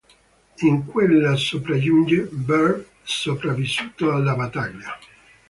In quella sopraggiunge Berg, sopravvissuto alla battaglia.